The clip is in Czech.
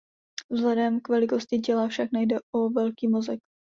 Vzhledem k velikosti těla však nejde o velký mozek.